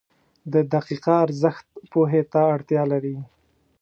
• د دقیقه ارزښت پوهې ته اړتیا لري.